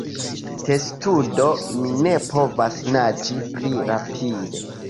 Testudo: "Mi ne povas naĝi pli rapide!"